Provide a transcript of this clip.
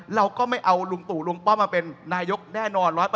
เราก็ไม่เอาลุงตู่ลุงป้อมมาเป็นนายกแน่นอน๑๐